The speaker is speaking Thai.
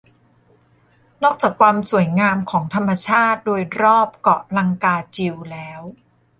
นอกจากความสวยงามของธรรมชาติโดยรอบเกาะลังกาจิวแล้ว